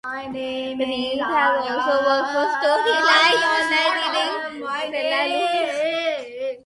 Reed has also worked for Storyline Online, reading "Stellaluna".